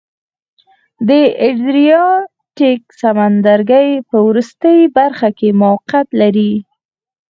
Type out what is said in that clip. د ادریاتیک سمندرګي په وروستۍ برخه کې موقعیت لري.